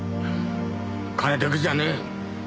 金だけじゃねえ。